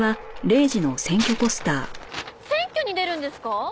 選挙に出るんですか？